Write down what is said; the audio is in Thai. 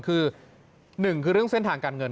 คือ๑เรื่องเส้นทางการเงิน